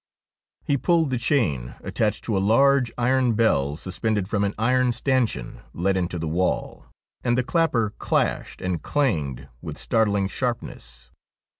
He pulled the chain attached to a large iron bell suspended from an iron stanchion let into the wall, and the clapper clashed and clanged with startling sharpness.